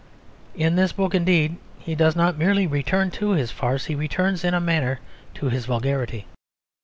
In this book indeed he does not merely return to his farce; he returns in a manner to his vulgarity.